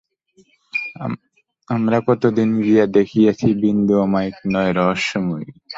আবার কতদিন গিয়া দেখিয়াছে বিন্দু অমায়িক নয়, রহস্যময়ী।